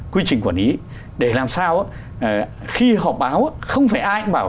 quy trình quản lý để làm sao khi họ báo không phải ai bảo